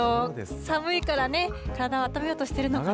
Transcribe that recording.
寒いからね、体をあっためようとしてるのかな。